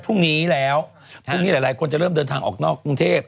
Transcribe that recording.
พรุ่งนี้แล้วพรุ่งนี้หลายคนจะเริ่มเดินทางออกนอกกรุงเทพ